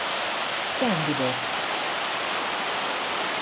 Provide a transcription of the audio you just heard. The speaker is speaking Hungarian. Candy Box!